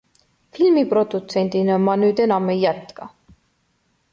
Filmiprodutsendina ma nüüd enam ei jätka.